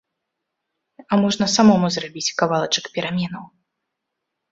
А можна самому зрабіць кавалачак пераменаў.